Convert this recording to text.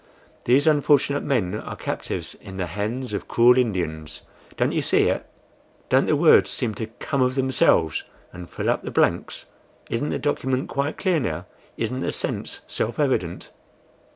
These unfortunate men are captives in the hands of cruel Indians. Don't you see it? Don't the words seem to come of themselves, and fill up the blanks? Isn't the document quite clear now? Isn't the sense self evident?"